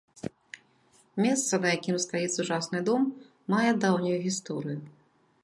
Месца, на якім стаіць сучасны дом, мае даўнюю гісторыю.